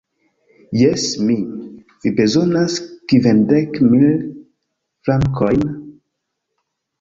Jes, mi! Vi bezonas kvindek mil frankojn?